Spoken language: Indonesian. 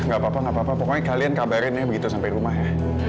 gak apa apa pokoknya kalian kabarin ya begitu sampai rumah ya